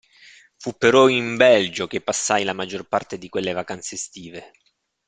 Fu però in Belgio che passai la maggior parte di quelle vacanze estive.